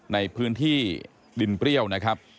ในพื้นที่ดินเปรี้ยวนะครับ